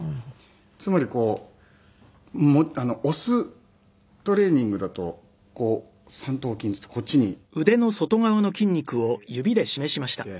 つまりこう押すトレーニングだと三頭筋っていってこっちに鍛える事ができて。